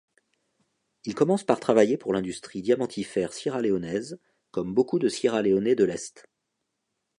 Il commence par travailler pour l'industrie diamantifère sierra-léonaise, comme beaucoup de sierra-léonais de l'est.